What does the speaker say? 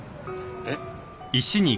えっ？